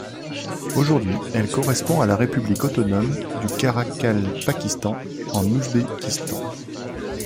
Aujourd'hui, elle correspond à la république autonome du Karakalpakistan en Ouzbékistan.